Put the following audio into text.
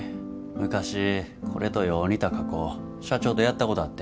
昔これとよう似た加工社長とやったことあって。